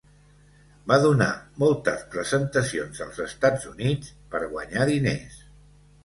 Va donar moltes presentacions als Estats Units per guanyar diners.